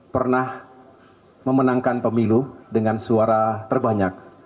pernah memenangkan pemilu dengan suara terbanyak